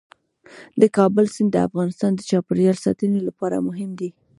د کابل سیند د افغانستان د چاپیریال ساتنې لپاره مهم دي.